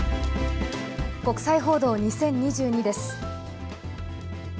国際報道２０２２です。